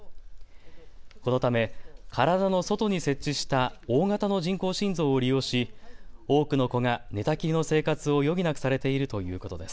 このため体の外に設置した大型の人工心臓を利用し多くの子が寝たきりの生活を余儀なくされているということです。